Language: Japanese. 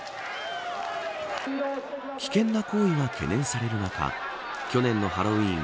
危険な行為が懸念される中去年のハロウィーン